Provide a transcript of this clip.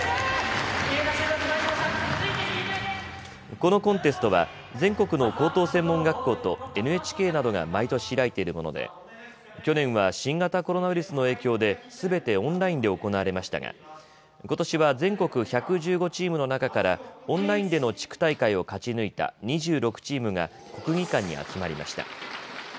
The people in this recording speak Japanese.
このコンテストは全国の高等専門学校とＮＨＫなどが毎年開いているもので去年は新型コロナウイルスの影響ですべてオンラインで行われましたがことしは全国１１５チームの中からオンラインでの地区大会を勝ち抜いた２６チームが国技館に集まりました。